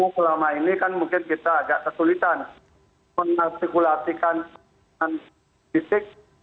selama ini kan mungkin kita agak kesulitan menastikulatikan politik